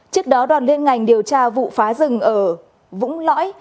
trước đó đoàn liên ngành điều tra vụ phá rừng ở vũng lõi